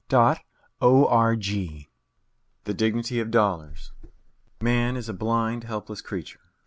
June 1900. THE DIGNITY OF DOLLARS Man is a blind, helpless creature.